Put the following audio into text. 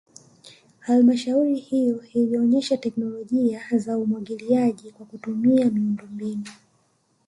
Halmashauri hiyo ilionesha teknolojia za umwagiliaji kwa kutumia miundombinu